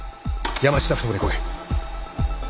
山下ふ頭に来い